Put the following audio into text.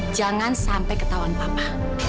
jangan sampai ketahuan papa